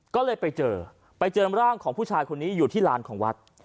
ก็เลยไปเจอไปเจอร่างของผู้ชายคนนี้อยู่ที่ลานของวัด